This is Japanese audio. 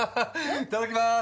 いただきまーす！